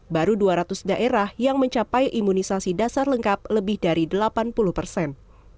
baru dua ratus daerah yang mencapai imunisasi dasar lengkap lebih dari delapan puluh persen